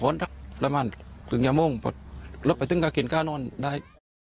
แล้วมันถึงอย่างมุ่งแล้วไปตึ้งกาเกียรติการณ์นอนได้